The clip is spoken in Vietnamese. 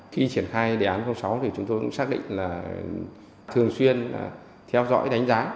khi triển khai đề án sáu thì chúng tôi cũng xác định là thường xuyên theo dõi đánh giá